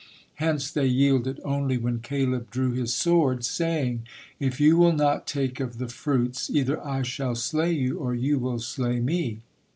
Hence they yielded only when Caleb drew his sword, saying: "If you will not take of the fruits, either I shall slay you, or you will slay me."